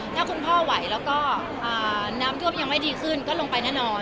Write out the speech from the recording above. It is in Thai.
ถ้าคุณพ่อไหวแล้วก็น้ำท่วมยังไม่ดีขึ้นก็ลงไปแน่นอน